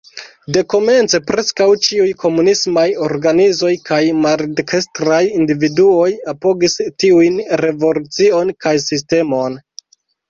Dekomence preskaŭ ĉiuj komunismaj organizoj kaj maldekstraj individuoj apogis tiujn revolucion kaj sistemon.